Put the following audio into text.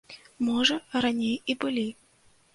Можа, раней і былі.